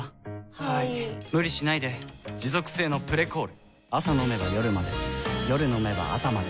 はい・・・無理しないで持続性の「プレコール」朝飲めば夜まで夜飲めば朝まで